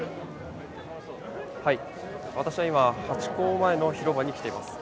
私は今、ハチ公前の広場に来ています。